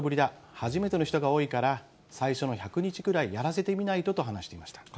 初めての人が多いから、最初の１００日くらいやらせてみないとと話していました。